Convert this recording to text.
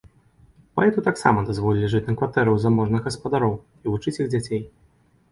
Паэту таксама дазволілі жыць на кватэры ў заможных гаспадароў і вучыць іх дзяцей.